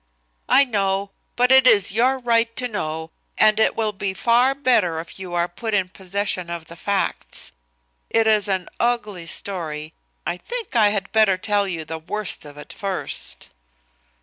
"I know. But it is your right to know, and it will be far better if you are put in possession of the facts. It is an ugly story. I think I had better tell you the worst of it first."